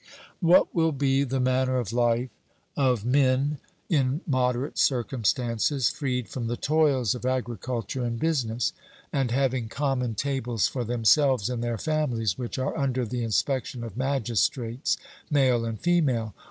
What will be the manner of life of men in moderate circumstances, freed from the toils of agriculture and business, and having common tables for themselves and their families which are under the inspection of magistrates, male and female?